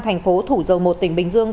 thành phố thủ dầu một tỉnh bình dương